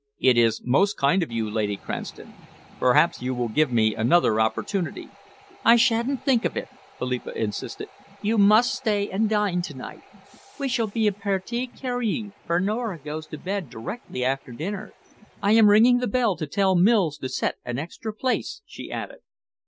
"It is most kind of you, Lady Cranston. Perhaps you will give me another opportunity." "I sha'n't think of it," Philippa insisted. "You must stay and dine to night. We shall be a partie carríe, for Nora goes to bed directly after dinner. I am ringing the bell to tell Mills to set an extra place," she added.